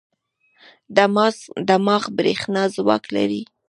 دماغ برېښنا ځواک لري.